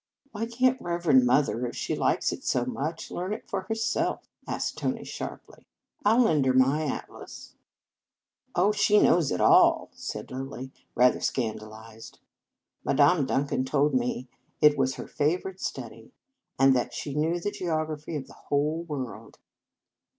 "Why can t Reverend Mother, if she likes it so much, learn it for her self ?" asked Tony sharply. " I 11 lend her my atlas." In Our Convent Days " Oh, she knows it all," said Lilly, rather scandalized. " Madame Dun can told me it was her favourite study, and that she knew the geography of the whole world."